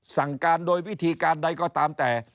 สั่งการโดยวิธีการใดก็ตามแต่